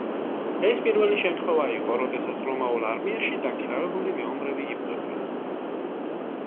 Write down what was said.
ეს პირველი შემთხვევა იყო, როდესაც რომაულ არმიაში დაქირავებული მეომრები იბრძოდნენ.